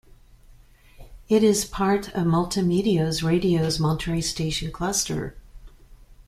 It is part of Multimedios Radio's Monterrey station cluster.